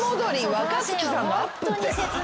若槻さんのアップって。